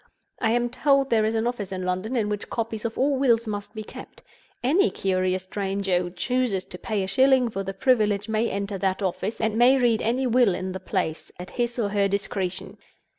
I am told there is an office in London in which copies of all wills must be kept. Any curious stranger who chooses to pay a shilling for the privilege may enter that office, and may read any will in the place at his or her discretion.